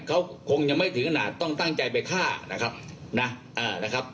เขาคงยังไม่ถึงขนาดต้องตั้งใจไปฆ่านะครับนะนะครับ